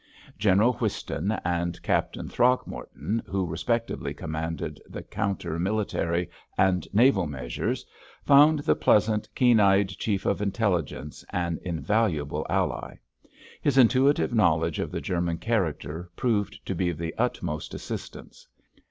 General Whiston and Captain Throgmorton, who respectively commanded the counter military and naval measures, found the pleasant, keen eyed Chief of Intelligence an invaluable ally. His intuitive knowledge of the German character proved to be of the utmost assistance.